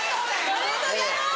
・ありがとうございます。